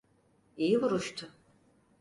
İyi vuruştu.